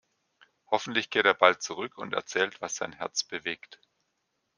Hoffentlich kehrt er bald zurück und erzählt, was sein Herz bewegt.